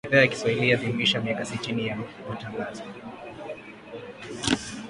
Idhaa ya Kiswahili yaadhimisha miaka sitini ya Matangazo